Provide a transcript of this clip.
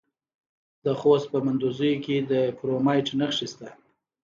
د خوست په مندوزیو کې د کرومایټ نښې شته.